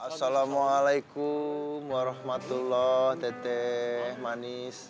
assalamualaikum warahmatullahi wabarakatuh manis